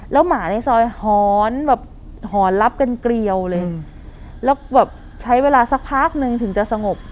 แล้วหอนับกันเกรียวเลยแล้วแบบใช้เวลาสักพักนึงถึงจะสงบ